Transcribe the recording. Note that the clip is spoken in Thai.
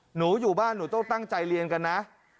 หนูอยู่บ้านหนูต้องตั้งใจเรียนกันนะ